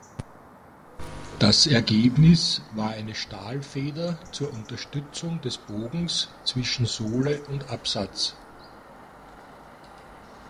Das Ergebnis war eine Stahlfeder zur Unterstützung des Bogens zwischen Sohle und Absatz.